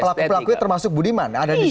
para pelaku pelakunya termasuk bu diman ada di situ